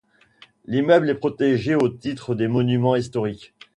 L'immeuble est protégé au titre des monuments historiques.